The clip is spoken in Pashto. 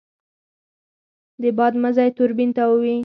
د باد مزی توربین تاووي.